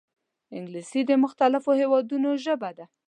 انګلیسي د پرمختللو هېوادونو ژبه ده